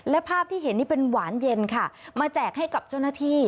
และภาพที่เห็นนี่เป็นหวานเย็นค่ะมาแจกให้กับเจ้าหน้าที่